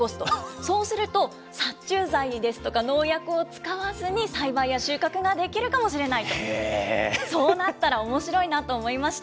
そうすると殺虫剤ですとか農薬を使わずに栽培や収穫ができるかもしれないと、そうなったらおもしろいなと思いました。